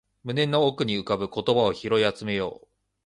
胸の奥に浮かぶ言葉を拾い集めよう